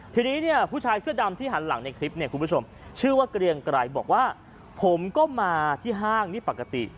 ทีนี้เนี่ยผู้ชายเสื้อดำที่หันหลังในคลิปเนี่ยคุณผู้ชมชื่อว่าเกรียงไกรบอกว่าผมก็มาที่ห้างนี่ปกติ